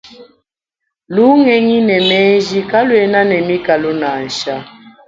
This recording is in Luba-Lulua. Lungenyi ne menji kaluena ne mikalu nansha.